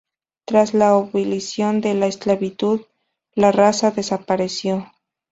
Tras la abolición de la esclavitud, la raza desapareció.